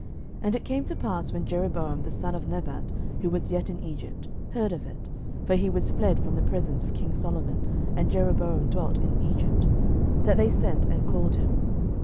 11:012:002 And it came to pass, when Jeroboam the son of Nebat, who was yet in Egypt, heard of it, (for he was fled from the presence of king Solomon, and Jeroboam dwelt in Egypt;) 11:012:003 That they sent and called him.